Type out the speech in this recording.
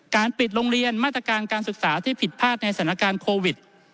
ปิดโรงเรียนมาตรการการศึกษาที่ผิดพลาดในสถานการณ์โควิด